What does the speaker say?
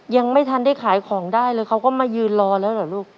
ยังไม่ทันได้ขายของได้เลยเขาก็มายืนรอแล้วเหรอลูก